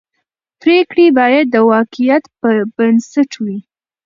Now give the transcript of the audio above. پرېکړې باید د واقعیت پر بنسټ وي